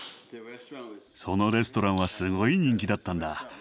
そのレストランはすごい人気だったんだ。